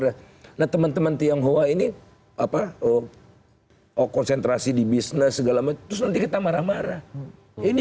dan teman teman tiang hoa ini apa oh konsentrasi di bisnis segala mencuri kita marah marah ini